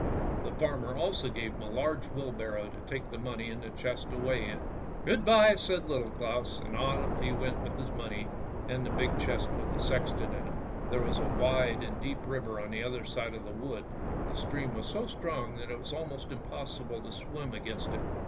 The farmer also gave him a large wheelbarrow to take the money and the chest away in. "Good bye! " said Little Claus, and off he went with his money and the big chest with the sexton in it. There was a wide and deep river on the other side of the wood, the stream was so strong that it was almost impossible to swim against it.